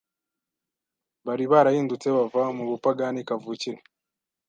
bari barahindutse bava mu bapagani kavukire